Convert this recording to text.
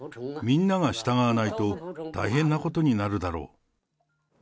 みんなが従わないと、大変なことになるだろう。